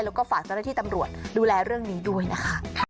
แล้วก็ฝากเจ้าหน้าที่ตำรวจดูแลเรื่องนี้ด้วยนะคะ